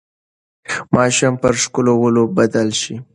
ماشوم پر ښکلولو بدل شي.